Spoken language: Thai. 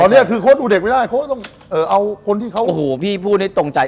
ตอนนี้คือโค้ชดูเด็กไม่ได้โค้ชต้องเอาคนที่เขาโอ้โหพี่พูดในตรงใจ